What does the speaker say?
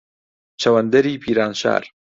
چەوەندەری پیرانشار